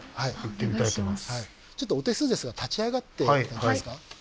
ちょっとお手数ですが立ち上がって頂けますか。